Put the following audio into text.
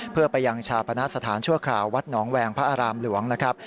เพื่อไปยังชาปณะสถานชั่วคราววัดหนองแวงพระอารามหลวงนะครับ